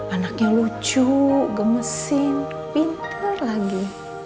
anaknya lucu gemesin pinter lagi